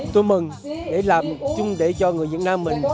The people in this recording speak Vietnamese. tôi mừng để làm chung để cho người việt nam mình ở bên pháp